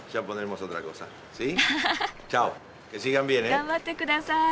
頑張ってください。